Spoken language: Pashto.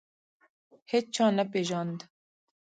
هیچا نه پېژاند.